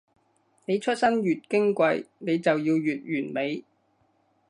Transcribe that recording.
你出身越矜貴，你就要越完美